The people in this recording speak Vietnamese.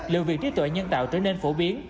liệu việc trí tuệ nhân tạo trở nên phổ biến